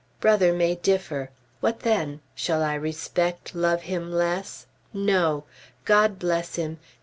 Brother may differ. What then? Shall I respect, love him less? No! God bless him!